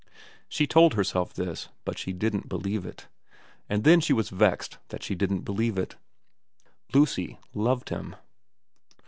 She told herself this, but she didn't believe it ; and then she was vexed that she didn't believe it. Lucy loved him.